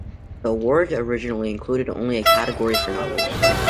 The award originally included only a category for novels.